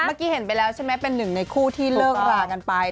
เมื่อกี้เห็นไปแล้วใช่ไหมเป็นหนึ่งในคู่ที่เลิกรากันไป